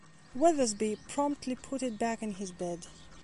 Weathersby promptly put it back in his bed.